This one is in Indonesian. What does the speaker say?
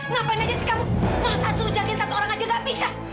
ngapain aja jika bu masa suruh jagain satu orang aja nggak bisa